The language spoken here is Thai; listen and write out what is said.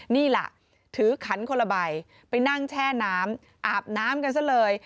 นี่ล่ะถือขันคนละใบไปนั่งแช่น้ำอาบน้ำกันซะเลย